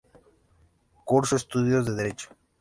Cursó estudios de Derecho.